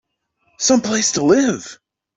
Some place to live!